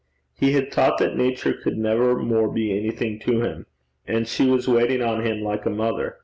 He had thought that Nature could never more be anything to him; and she was waiting on him like a mother.